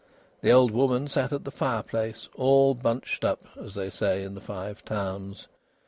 The old woman sat at the fireplace, "all bunched up," as they say in the Five Towns.